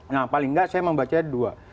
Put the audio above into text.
nah paling enggak saya membacanya dua